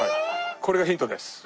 これがヒントです。